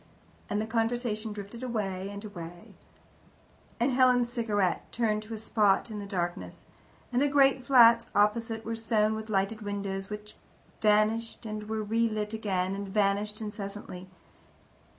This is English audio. And the conversation drifted away and away, and Helen's cigarette turned to a spot in the darkness, and the great flats opposite were sown with lighted windows, which vanished and were relit again, and vanished incessantly.